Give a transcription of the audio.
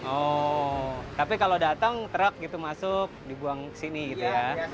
oh tapi kalau datang lahan masuk dibuang ke sini ya